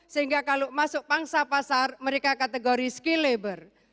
sehingga kalau masuk pangsa pasar mereka kategori skill labor